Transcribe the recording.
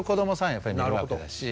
やっぱり見るわけだし。